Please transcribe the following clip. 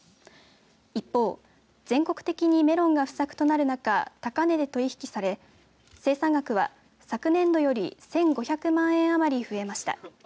一方、全国的にメロンが不作となる中高値で取引され、生産額は昨年度より１５００万円余り増えました。